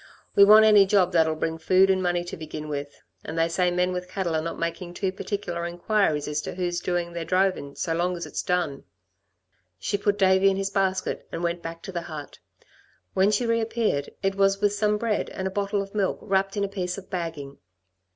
We want any job that'll bring food and money to begin with, and they say men with cattle are not making too particular inquiries as to whose doing their drovin' so long as it's done." She put Davey in his basket, and went back to the hut. When she reappeared, it was with some bread and a bottle of milk wrapped in a piece of bagging.